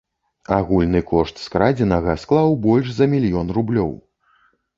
Агульны кошт скрадзенага склаў больш за мільён рублёў.